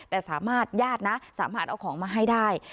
แต่สามารถญาตินะสามารถเอาของมาให้ได้